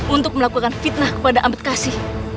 untuk melakukan fitnah kepada ampetkasi